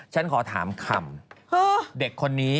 ฉันขอถามคำเด็กคนนี้